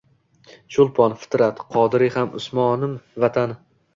Choʻlpon, Fitrat, Qodiriy ham, Usmonim Vatan